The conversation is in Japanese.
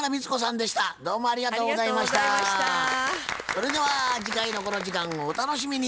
それでは次回のこの時間をお楽しみに。